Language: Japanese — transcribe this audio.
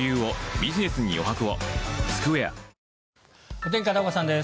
お天気、片岡さんです。